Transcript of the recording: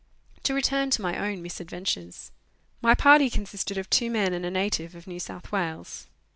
To return to my own misadventures. My party consisted. of two men and a native of New South Wales.